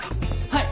はい。